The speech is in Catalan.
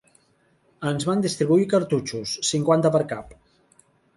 Ens van distribuir cartutxos, cinquanta per cap